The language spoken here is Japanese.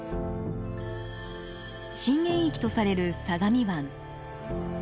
震源域とされる相模湾。